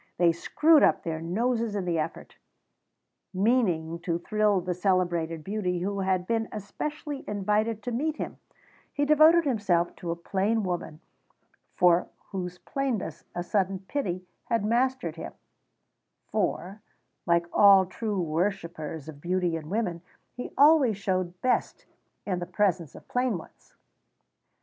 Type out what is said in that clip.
They screwed up their noses in the effort. Meaning to thrill the celebrated beauty who had been specially invited to meet him, he devoted himself to a plain woman for whose plainness a sudden pity had mastered him (for, like all true worshippers of beauty in women, he always showed best in the presence of plain ones).